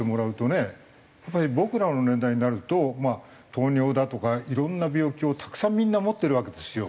やっぱり僕らの年代になるとまあ糖尿だとかいろんな病気をたくさんみんな持ってるわけですよ。